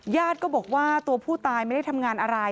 ญาติก็บอกว่าตัวผู้ตายไม่ได้ทำงานอะไร